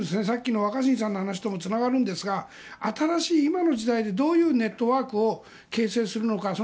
さっきの若新さんの話ともつながるんですが新しい今の時代でどういうネットワークを形成するのか。